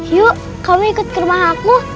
yuk kamu ikut ke rumah aku